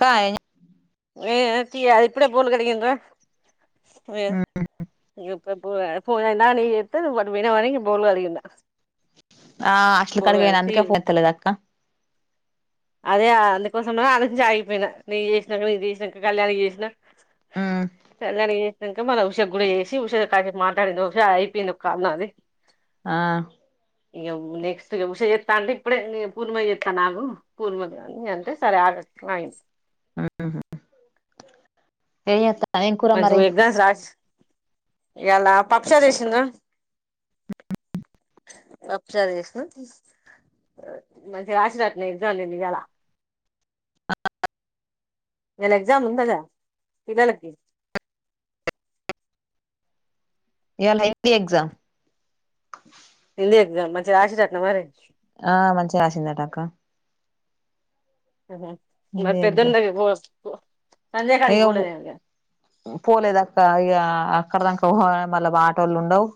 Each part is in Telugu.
కాయ్ ఏ తీ ఇప్పుడే బిల్లు కడిగింరా [inaudible] పో నిక్ చేస్తే ను అటు పోయినవ్ అని బిల్లు కడిగిన ఆ అట్ల బోలు కాడికి పోయిన అందుకే ఫోన్ ఎత్తలే అక్క అదే అందుకోసమనే ఆలోచించి ఆగిపోయినా నీక్ చేసినంక నేను చేసినాక కళ్యాణికి చేసినా పెద్ద దానికి చేయి ఇంక మన ఉషా గుడా చేసి ఉషా కాసేపు మాట్లాడింది ఉషా అయిపోయింది ఒక కాల్ నాది ఆ ఇగ నెక్స్ట్ ఉష ఎత్తాటే ఇప్పుడే పూర్ణమ చెత్తన్న అగు స్కూల్ [inaudible] ఏ మంచిగా ఎగ్జామ్స్ రాస్ ఇయల పప్చార్ చేసింరా మంచిగా రాసింరటనా ఎగ్జామ్ నిన్న ఇయల ఇయల ఎగ్జామ్ ఉందగా పిల్లలకి ఇయల హిందీ ఎగ్జామ్ హింది ఎగ్జామ్ మంచి రాశిరట్న మరి ఆ మంచిగా రాసిందట అక్క హ మరి పెద్ద [inaudible] అయ్యో పోలేదక్క ఇగా అక్కడదాకా మళ్ళ ఆటోళ్ళు ఉండవు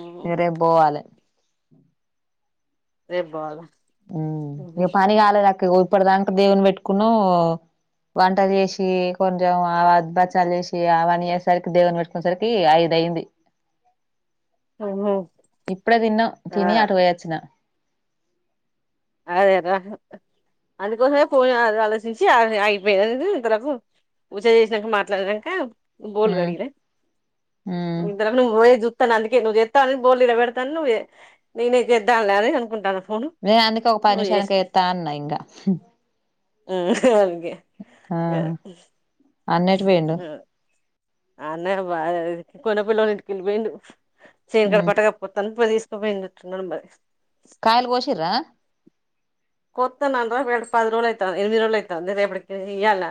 ఉహు ఇగ రేప్ పోవాలె రేప్ పోవాలా హ్ పనిగా కాలేదక్క ఇగో ఇప్పటి దాక దేవుని పెట్టుకున్న వంటలు చేసి కొంచెం ఆ బచ్చాలు చేసి అవని చేసేసరికి దేవున్నీ పెట్టుకునే సరికి ఐదయింది. ఏమో ఇప్పుడే తిన్న తిని అటు పోయోచ్చిన అదే గా అందుకోసమే పోయా ఆలోచించి అగిపోయింది ఇంతరకు పూజ చేసినాక మాట్లాడినాక బోల్ గడి లే ఇద్దరము బోయే చు చేత్తను అందుకే నువ్వు చేతవని బోల్ నిలబెడతావని నువ్ నేనే చేద్దాం లే అని అనుకుంటన్న ఫోన్ నేను అందుకే ఒక పది నిమిషానికి చేత్త అన్నా ఇంకా ఉ అ అ అన్నేటు పోయిండు అన్నక్ బాదయి కొన పిల్లని ఎత్తుకెళ్లి పోయిండు శెనుకాడ ఉమ్ పట్టా కప్పోతన్ తీసకపోయిండు కాయలు కోశిర్రా కొత్తనన్రా పది రోజులు అయితంది ఎనిమిది రోజులు అయితంది రేపటికి ఇయ్యాల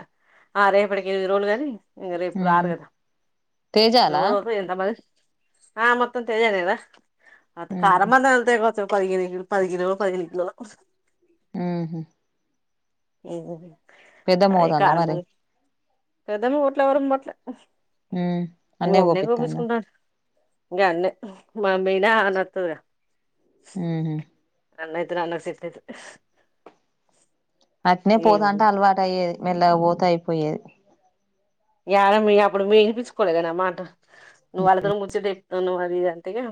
ఆ రేపటికి ఎనిమిది రోజులు గానీ ఇంగ రేపు ఉమ్ రారు గదా తేజాలా ఆ మొత్తం తేజనే గదా అంత ఉహు కారమంద ఎల్ మొత్తం పదిగిరో హుమ్ హు ఏగు పెద్దమ్ పోతంద మరి పెదమ్ పోవట్ల ఎవరు పోవట్లా హుమ్ నువ్ అన్నే గోపీచ్కుంటర్ మనం పోయిన అన్నోతద్ గా హుమ్ హు గన్నైతేనే అన్నక్ సెట్ అయితది అట్నే పోతంటే ఏముంది అలవాటు అయ్యేది మెల్లగా పోతే అయిపోయేది యాడ మీ అప్పుడు మీరు వినిపిచుకోలేగా నా మాట నువ్వు ఆలతోని ముచ్చటె తున్నవ్ అది ఇది అంతేగా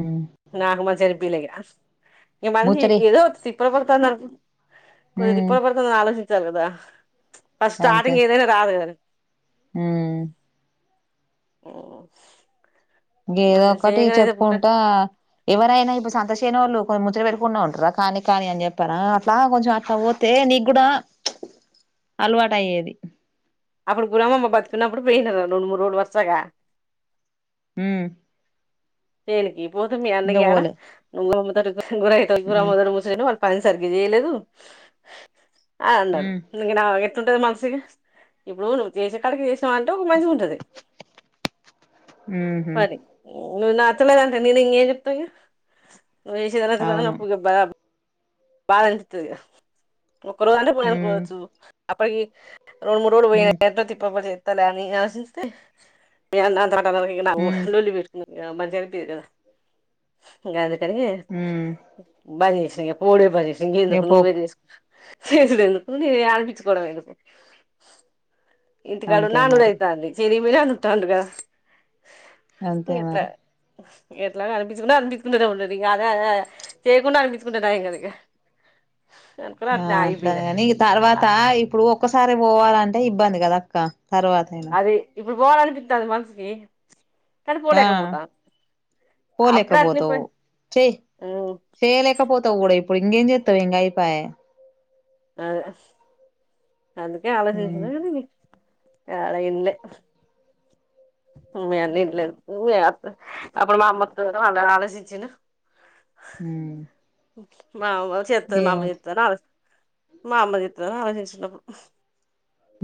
ఉమ్ నాకు మంచిగనిపీలే ఇగా ఈ మనిషి ముచ్చడి ఏదో పొగుడుతందనుకుం కొద్దీ ఉమ్ తిప్పల్ పడుతుంది ఆలోచించు చలదా ఫస్ట్ స్టార్టింగ్ ఏదైనా రాదు కద ఊ ఓస్ ఏదో ఒకటి చెప్పుకుంటా ఎవరైనా ఇప్పుడు సంతో చేనే వాళ్ళు కొ ముచ్చటపెట్టుకుంటనే ఉంటారా కానీ కాని అని చెప్పారా అట్లా కొంచెం అట్లా పోతే నీకు కూడా అలవాటు అయ్యేది అప్పుడు గురవమ్మ బతుకున్నప్పుడు పోయిన రెండు రోజులు మూడు రోజులు వర్సాగా మ్ తెేలికి బోు మే అన్నగాడా ను గుర గురామ మ్మ్ ముూస పని సరిగ్గా చేయలేదు ఆ అడు మ్మ్ ఇ ంటది మనసుకి ఇప్పుడు నువ్వు చేసే కడకి చేసావా ఒక మంచి ఉంటది మ్మ్ హు మది ఉన్నార్ [unintelligible] నేనేం చేసిస్తాను వష అవును ఆప్పుూ గ అబా [unintelligible] బాధ అనిపిస్తది గా ఒక్కరోజు అంటే మ్మ్ పోయానికిచ్చు అప్పుడుకి రెండు మూడు రోజులు మ్మ్ పోయినాము అంటే తిప్ప పడి తత్త లేేని అసి మీనా త అక్కడికి పోయినావు మ్మ్ లొల్లి పెట్టుకున్నావు మంచిగా అనిపియదు కదా గదే సరేలే, మ్మ్ బాగా చేసి ఓడే భజ చె ఇంకా ఇగ ఎందుకు నువ్వే పోకు చేసు స స ఎకు న ఆరపిించకోడంమ ఎకు ఇంతకాడు అంతే నానుూ మరి అవుతంది చెర మలానుట్టాండగా అంతే మరి ఎట్లా అపించుకు అనిపించకుంటా ఉండ అే అదా అదా చేయకుడా అపించకుంటా అదా గ ఆ అట్లా కాని తర్వాత ఇప్పుడు ఒక్కసారి పోవాలంట ఇబ్బంది కదక్క తరవాతైన ప్పుడు పొవాలనిపిత్తాంది మన్స్ కి ఆ, పోలేక అప్పుడే అట్నే పోతవ్ చేయ్ పోయి చేలేక పోతా ఊడ ఇ ప్పుడు ఇంగేం జెత్తవ్ ఇంగాయ్ అయ్ పాయె ఆ ఎస్ అందుకే ఆలోచించిన మ్మ్ కని అలా ఇల్లె ఉ అన్ని ఇంట్లనే ఉవ్వే అప్పుడు మా అమ్మత్తదట వాల్ల్ ఆలోచించిడు హు ఓక్ మావ్వ చెత్తద్ మాఅమ్మ చెత్తదని ఆ మా అమ్మ చేత్తదని ఆలోచించిన్నం.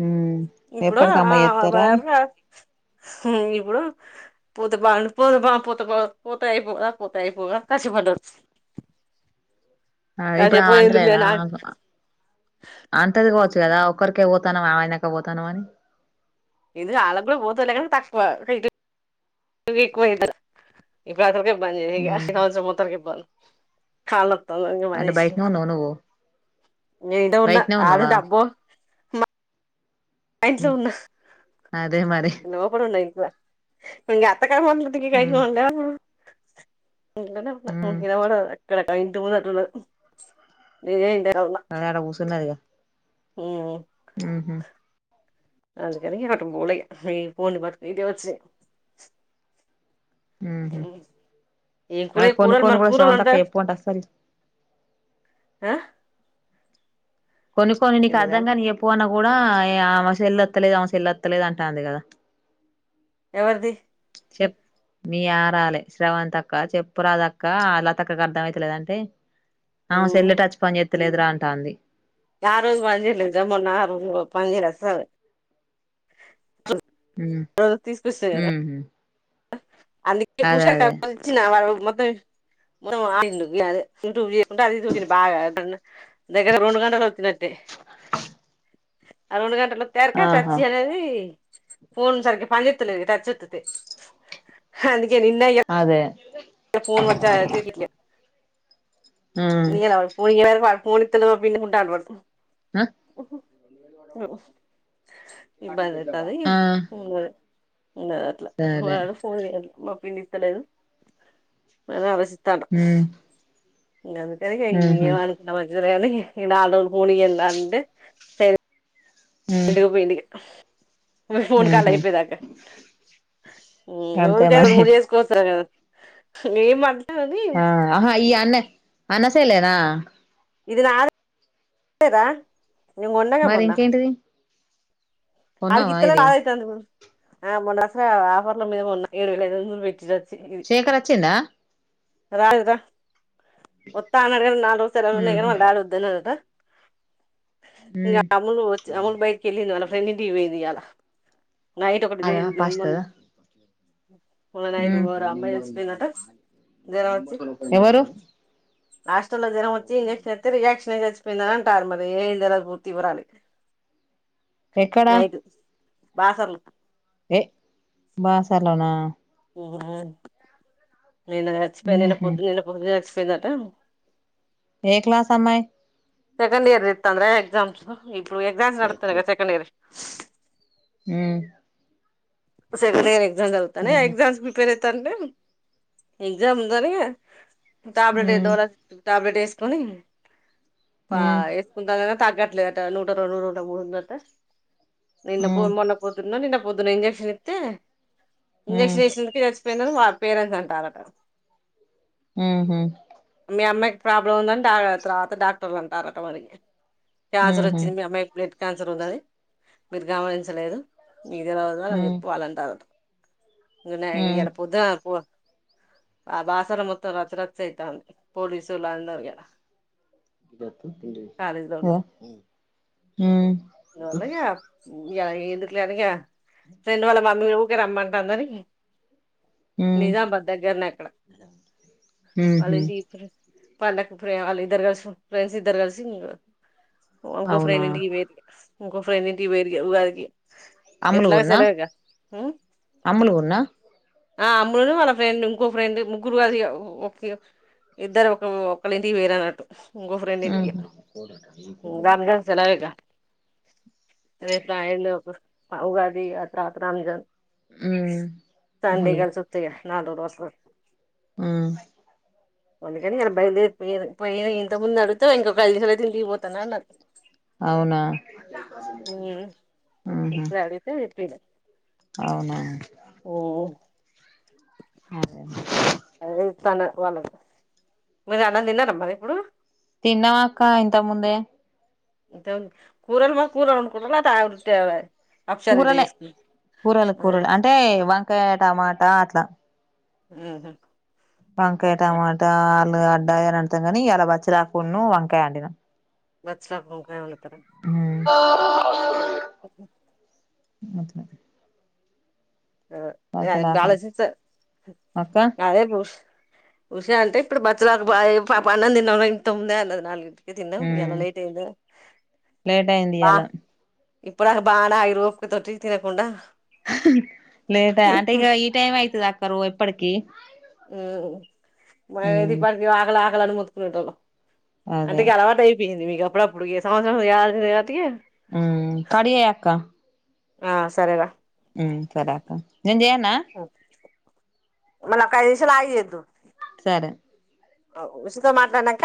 మ్మ్ ఇప్పుడు ఆ ఎప్పటికమ్మ వా చేత్తరా [unintelligible] హుం, ఇప్పుడు పోతే బాంన్ పో బా పోత బా పోతే అయిపో ర అయిపో ర కశి పడ్డాడు. ఆ ఇప్పురు ఆ వంటలేదా నా ఆహు, అంటది కచ్ కదా ఒకరికే పోతానవ్ ఆవనకె పోతానవ్ అని ఇది ఆల్లక్ కూడా పోతలె కని తక్కువ ఇగ ఇట్ ఇప్పురు అసలకే [unintelligible] ఇగ ఇ మ్ సంవత్సరం మొత్తం ఇబ్బం కాల అంటే బయట్నే ఉన్నావా నువ్వు నే ఇంట ఉన్నా బయటనే ఉన్నావా ఆడుంట బ్బో మా ఆఇంట్లో మ్ ఉన్నా, అదే మరి లోపడున్న ఇంట్ల ఇంఅ మ్ [unintelligible] ఇంట్లనే ఉన్న మ్ ఇంకినవడదు అక్కడకడ ఇంటి ముందర రుర, నేనేమో ఇంటా అదే ఆడ కుసున్నది ఇగ హుహు అందికని ఇగ అటు పోలే ఇగ ఇహ్ పోన్ బత్ ఇదే వచ్చి మ్హు ఏం ఆ కూర కొన్ని కూరల్ కొన్ని మరి కూడా కూరలంత, శ్రవంతక్క చెప్పుకుంట అస్సలు ఆ కొన్ని కొన్ని నీకు ఏంటిదా అర్థంగానీ యి చెప్పు అనవ్ కూడా ఆమె సెల్లోతలేదు ఆమె సెల్ల్లొత్తలేదు అంటాంది కదా ఎవరిది చెప్పు మీ ఆరాలే శ్రవణ తక్క చెప్పు రాదక్క లతక్కకు అర్థమయితలేదంటే ఆమె సెల్ టచ్ పనిచే తెలేదురా అంటుంది ఆరోజు పనిచేయాలి ఆరోజు పనిచేయ్యలేదు అస్సలు అ హ హు హు అందుకే పుషా కచ్చిన వాళ్ళు మొత్తం మొత్తం కొట్టిండు అదే యూట్యూబ్ చూడకుండా అది ఇది చూసింది బాగా దగ్గర రెండు గంటలు వచ్చినట్టే ఆ రెండు గంటలు తరకా టచ్చి ఆహా అనేది ఫోన్ సరిక పనిచెత్తలే టచ్ హ అదే ఫోన్ వచ్చ తెలీట్లే ఆ నీకెవడు పోను చెయ్యడు పాడు పోనిత్తలేవు పిండు కుంటండు పట్టు ఆ హు ఉ అ అ ఇబ్బంది అయితంది ఆ ఉ ఉన్నది అట్లా సరే వాడు ఫోన్ చే మా పిండి ఇస్తలేదు మర వసి ఇత్తండు ఉమ్ గందుకనె ఇగ ఉహు ఏమనుకున్న మంచిదే వేళ్ళని నాలుగు రోజులు కూలికెల్లా అంటే తే ఉమ్ ఎండుక పోయిందిక మూడు కాలు ఉహు అయిపోయదాకా నువ్ అంతే ఇంకా రెండు మరి మూడు చేసుకొవచ్చురా ఏ మద్ ఆ ఆహా ఈ అన్న అన్నసేల్లేనా ఇది నాది తెలీదా నేన్ కొన్నాగా మరి మొన్నా ఇంకేంటిది కొన్నావా అడ్కిత్తలె ఇది నాదరికేందుకు ఆ మొన్న అచ్చిన ఆఫర్ల మీద కొన్న ఏడు వేలఐదు వందలు పెట్టి వచ్చి శేఖర్ ఒచ్చిండా. రాలేదు రా. వత్తా అన్నడు గాని నాల్ రోజ్ సెలవులు ఉన్నయి ఉహు గానీ వాళ్ళ డాడీ వద్దన్నడటా. ఇంగా ఉమ్ అమ్ములూ వచ్చి అమ్ములు బయటికెళ్ళింది వాళ్ళ ఫ్రెండింటి. ఇయ్యాల నైట్ ఒకటి థెయ్ అదా తెమ్మన్. పాస్తదా మొన్న నైట్ ఉమ్ ఎవరో అమ్మాయి సచ్చిపోయిందట జరం వచ్చి. ఎవరు హాస్ స్టల్లో జ్వరం వచ్చి ఇంజక్షన్ ఇత్తే రియాక్షన్ అయి చచ్ పోయిందని అంటారు మరీ ఏం తెల్వదు పూర్తి వివరాలు ఎక్కడా? బాసర్ల ఎ బాసర్లనా. వన్ నిన్న సచ్చిపోయింది. నిన్న ఉహు పొద్దున్నే నిన్న పొద్దున్న స్ పోయిందటా. ఏ క్లాస్ అమ్మాయి సెకెండ్ ఇయర్ రేప్ తొందరగా ఎగ్జామ్స్ ఇ ఇప్పుడూ ఎగ్జామ్స్ నడుతున్నయి గదా సెకండ్ ఇయర్ వి ఉమ్ సేకండ్ ఇయర్ ఎగ్ గ్జామ్స్ జరుగుతానాయ్ ఆ ఉహు ఎగ్జామ్స్ కి ప్రిపేర్ అయి తంటే. ఎగ్జామ్స్ అనీ టాబ్లెట్ ఏ ఉమ్ డోలా సిక్స్ ఫిఫ్టీ టాబ్లెట్ ఏస్ కొనీ పా ఉమ్ ఏసుకుంట [unintelligible] తగ్గట్ లేద్ అటా. నూట రెండు నూట మూడు ఉందట. నిన్న ఉమ్ ఫోన్ మొన్న పొద్దున్నో నిన్న పొద్దున ఇంజెక్షన్ ఇత్ త్తే ఉమ్ ఇంజెక్షన్ ఏసినందుకే సచ్చిపోయిందని వాల్ పేరెంట్స్ అంటారట. ఊహు మీ అమ్మాయిక్ ప్రాబ్లం ఉందనీ డా అర్స్ తర్వాత డాక్టర్లు అంటారట మరీ. క్యాన్సర్ ఉహు వచ్చింది మీ అమ్మాయికి ప్లేట్ క్యాన్సర్ ఉందనీ మీరు గమనించలేదు. మీక్ తెల్వదా ఉ ఉ అని చెప్ అతు. గుడ్ నైయి ఉ ఇయాల పోద్దునా పో. ఆ బాసర మొత్తం రచ్చ రచ్చ అయితంది, పోలీసొళ్ళు అందర్ ఇగ. పో ఉమ్మ్. మెల్లగా ఉమ్. యా [unintelligible] గా. ఫ్రెండ్ వాళ్ళ మమ్మీ ఊకె రమ్మన్. రమ్మనీ. నిజాంబాద్ దగ్గరనే అక్కడ ఉహు వాళ్ళంటికి [unintelligible] వాళ్ళకు ఫ్రెం, వాళ్ళు ఇద్దరు కలిసి, ఫ్రెండ్స్ ఇద్దరు కలిసి ఇంగ. ఇంకో అవునా ఫ్రెండింటికి పోయింర్రీగా. ఇంకో ఫ్రెండింటికి పోయింర్రీ గా ఉగాదికి. ఎట్లాగో అమ్ముల్గున్న సెలవేగా అమ్ముల్గున్న. ఆ అమ్ములును, వాళ్ళ ఫ్రెండ్, ఇంకో ఫ్రెండ్ ముగ్గురు గలిసి ఇగ, ఒక్ ఇద్దరు ఒక ఒక్కాల్ ఇంటికి పోయిరన్నట్టు. ఇంకో ఫ్రెండ్ ఇంటికి ఉహు ఉగాది కి సెలవేగా. [unintelligible] ఉగాది ఆ తర్వాత రంజాన్. ఉ అమ్ములు తండేగల్ సుత్తెగా. నాల్రోజులో వస్తారు. ఉమ్. అందుకని ఇలా బయలుదేరిపోయి పోయి, ఇంతకు ముందు అడుగుతె, ఇంకొక ఐదు నిమిషాలు అయితె ఇంటికిపోతాన్న అన్నది. అవునా. ఉమ్ ఉహు ఇంట్లో అడిగితే చెప్పిగా. అవునా. ఉమ్. అదే అండి. అదే తన వలం. మీరు అన్నం తిన్నారా మరి ఇప్పుడు. తిన్నమక్క ఇంతకముందే. కూరలు మా కూర వండుకున్నార లేకపోతె ఉట్టి అవే. కూరలే, కూరలు అదే కూరలు, అంటే వంకాయ టమాటా అట్లా. లా. ఉహుమ్. వంకాయ, టమాటా. అడ్డాయారు అని అంటాం గాని ఇయ్యాల బచ్చిలాకు ఉన్ను, వంకాయ అండినా. బచ్చలాకు, వంకాయ వండు. ఉహు ఆ ఉమ్ మాట్లాడదాం. అంత ఆలోచించా అక్క అదే పూష్. ఉష అంటే ఇప్పుడు బతులాకు పాయె పాప అన్నం తిన్నావా ఇంతకుముందే అన్నది నాలుగింటి. తిన్నం ఈయల ఉమ్ లేట్ అయ్యిందా. లేట్ అయింది ఇయాల ఇప్పుడుదాక బానే ఆయిరుప తోటి తినకుండా. లేట్ అంటే ఈ టైమ్ అయితది అక్. కరో ఎప్పటికీ. ఉ మ ఇది ఉమ్ పానికి ఆకలే కాల అని ముతుక్కునేటోలం. అంటే అదే ఇంకా అలవాటు అయి పీంది మీ కప్పుడప్పుడు ఇక సమయం రాత్రే ఉమ్ కడి చేయ్ అక్క. ఆహ్ సరేరా. ఉమ్ సరే అక్కా నేను చెయ్యన. మళ్లీ ఒక ఐదు నిమిషాలు ఆగి చేదువు. సరే. ఉషితో మాట్లాడినాంక.